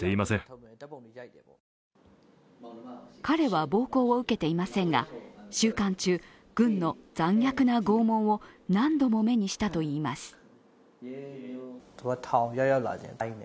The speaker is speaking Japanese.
彼は暴行を受けていませんが収監中、軍の残虐な拷問を何度も目にしたといいます。